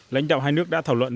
lãnh đạo hai nước đã thảo luận